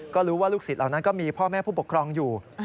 ก็รู้ว่าลูกศิษย์เหล่านั้นก็มีพ่อแม่ผู้ปกครองอยู่